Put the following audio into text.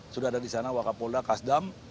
sudah ada disana wakapolda kasdam